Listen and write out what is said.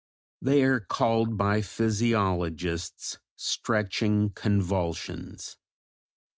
They are called by physiologists stretching convulsions."